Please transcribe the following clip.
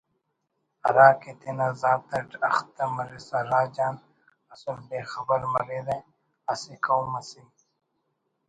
ہراکہ تینا ذات اٹ اختہ مرسا راج آن اسل بے خبر مریرہ اسہ قوم اسے